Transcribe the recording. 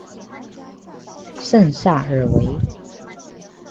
圣萨尔维。